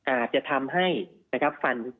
อาจจะทำให้ฟัน